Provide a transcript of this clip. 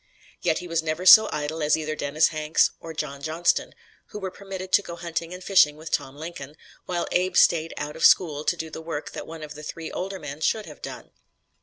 Yet he was never so idle as either Dennis Hanks or John Johnston, who were permitted to go hunting or fishing with Tom Lincoln, while Abe stayed out of school to do the work that one of the three older men should have done.